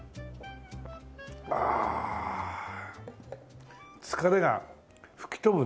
ああ疲れが吹き飛ぶね。